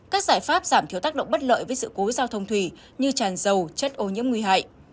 các giải pháp giảm thiếu tác động bất lợi với sự cố giao thông thủy như tràn dầu chất ô nhiễm nguy hại